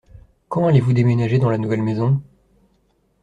Quand allez-vous déménager dans la nouvelle maison ?